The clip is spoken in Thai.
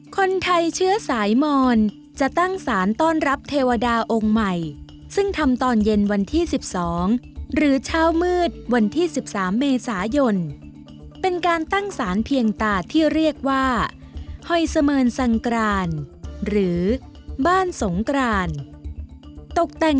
คนไทยเชื้อสายมอนจะตั้งสารต้อนรับเทวดาองค์ใหม่ซึ่งทำตอนเย็นวันที่๑๒หรือเช้ามืดวันที่๑๓เมษายนเป็นการตั้งสารเพียงตาที่เรียกว่าหอยเสมือนสังกรานหรือบ้านสงกรานตกแต่ง